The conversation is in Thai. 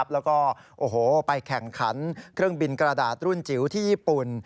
แล้วก็ไปแข่งขันเครื่องบินกระดาษรุ่นจิ๋วที่ญี่ปุ่น